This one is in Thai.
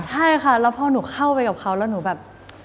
ใช่ค่ะแล้วพอหนูเข้าไปกับเขาแล้วหนูแบบ